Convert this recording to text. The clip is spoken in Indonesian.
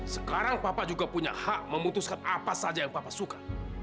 sekarang papa juga punya hak memutuskan apa saja yang papa suka